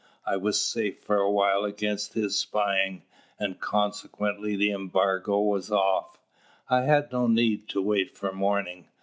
I was safe for a while against his spying, and consequently the embargo was off. I had no need to wait for morning.